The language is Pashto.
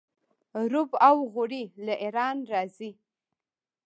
رب او غوړي له ایران راځي.